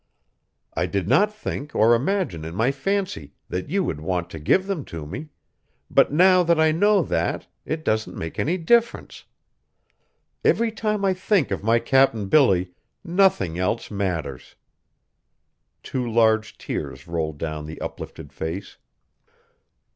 I did not think or imagine in my fancy that you would want to give them to me; but now that I know that, it doesn't make any difference. Every time I think of my Cap'n Billy, nothing else matters!" Two large tears rolled down the uplifted face.